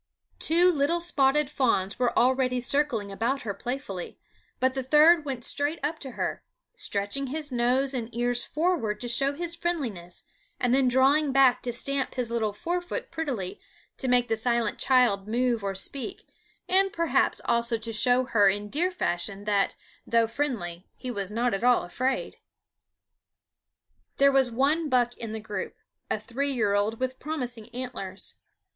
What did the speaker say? Two little spotted fawns were already circling about her playfully, but the third went straight up to her, stretching his nose and ears forward to show his friendliness, and then drawing back to stamp his little fore foot prettily to make the silent child move or speak, and perhaps also to show her in deer fashion that, though friendly, he was not at all afraid. There was one buck in the group, a three year old with promising antlers.